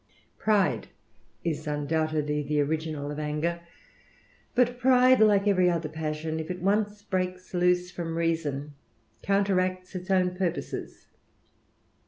Pride is undoubtedly the original of anger; but pride, liie every other passion, if it once breaks loose from reason, counteracts its own purposes.